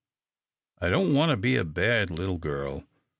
I don't want to be a bad little girl.